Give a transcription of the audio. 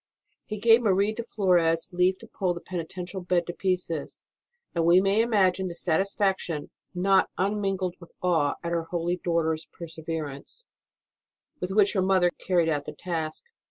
He gave Marie de Flores leave to pull the penitential bed to pieces, and we may imagine the satisfaction, not unmingled with awe at her holy daughter s perseverance, with which her mother carried out the task.